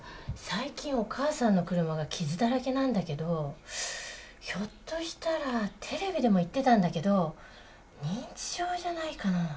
最近お母さんの車が傷だらけなんだけどひょっとしたらテレビでも言ってたんだけど認知症じゃないかな？